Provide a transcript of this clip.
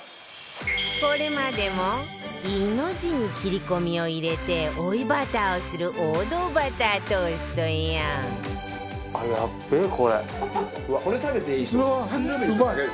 これまでも井の字に切り込みを入れて追いバターをする王道バタートーストや